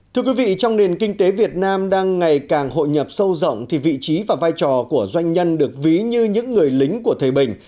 thưa quý vị trong nền kinh tế việt nam đang ngày càng hội nhập sâu rộng thì vị trí và vai trò của doanh nhân được ví như những người lính của thời bình